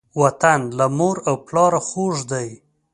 وطن له مور او پلاره خوږ دی.